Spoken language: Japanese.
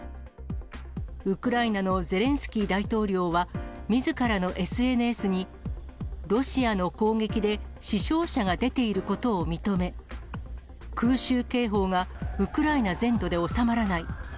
ウクライナのゼレンスキー大統領は、みずからのＳＮＳに、ロシアの攻撃で死傷者が出ていることを認め、空襲警報がウクライナ全土で収まらない。